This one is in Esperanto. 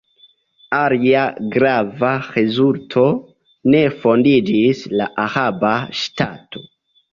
Alia grava rezulto: ne fondiĝis la araba ŝtato.